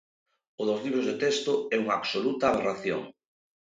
O dos libros de texto é unha absoluta aberración.